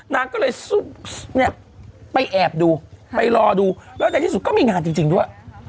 นางก็เลยซุบเนี่ยไปแอบดูไปรอดูแล้วในที่สุดก็มีงานจริงด้วย